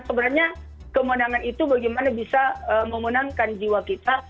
sebenarnya kemenangan itu bagaimana bisa memenangkan jiwa kita